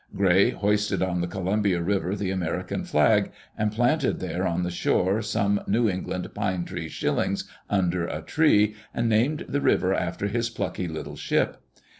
Gray hoisted on the Columbia River the American flag, and planted there on the shore some New England pine tree shillings under a tree, and named the river after his plucky little ship.